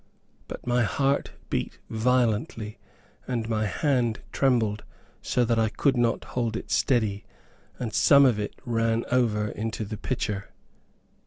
But my heart beat violently, and my hand trembled so that I could not hold it steady, and some of it ran over into the pitcher.